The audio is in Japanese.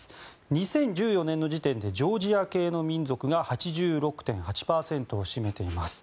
２０１４年の時点でジョージア系の民族が８６．８％を占めています。